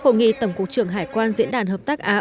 hội nghị tổng cục trưởng hải quan diễn đàn hợp tác á âu